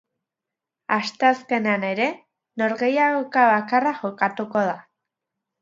Asteazkenean ere norgehiagoka bakarra jokatuko da.